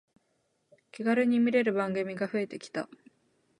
気軽に見れる番組が増えてきた